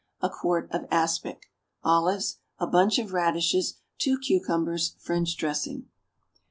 1 quart of aspic. Olives. A bunch of radishes. 2 cucumbers. French dressing.